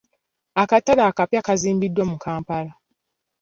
Akatale akapya kaazimbiddwa mu Kampala.